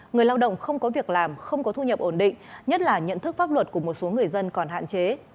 người lao động không có việc làm không có thu nhập ổn định nhất là nhận thức pháp luật của một số người dân còn hạn chế